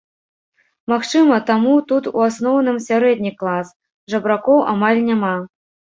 Магчыма, таму тут у асноўным сярэдні клас, жабракоў амаль няма.